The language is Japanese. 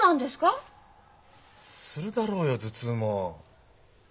するだろうよ頭痛も。